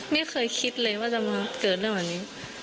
ไม่เคยคิดเลยว่าจะมาเกิดเรื่องแบบนี้